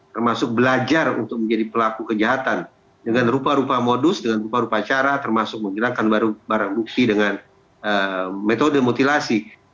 termasuk belajar untuk menjadi pelaku kejahatan dengan rupa rupa modus dengan rupa rupacara termasuk menghilangkan barang bukti dengan metode mutilasi